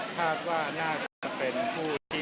คาดว่าน่าจะเป็นผู้ที่